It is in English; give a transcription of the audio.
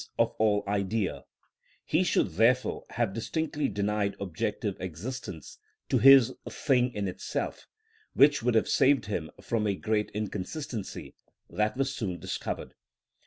_, of all idea; he should therefore have distinctly denied objective existence to his thing in itself, which would have saved him from a great inconsistency that was soon discovered.